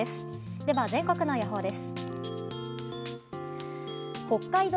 では全国の予報です。